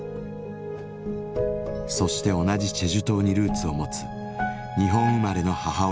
そして同じチェジュ島にルーツを持つ日本生まれの母親と結婚。